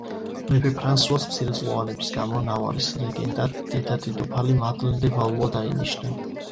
მეფე ფრანსუას მცირეწლოვანების გამო, ნავარის რეგენტად დედა-დედოფალი მადლენ დე ვალუა დაინიშნა.